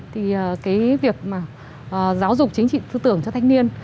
thì việc giáo dục chính trị tư tưởng cho thanh niên